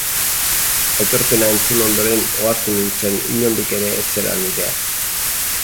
Aitorpena entzun ondoren ohartu nintzen inondik ere ez zela nirea.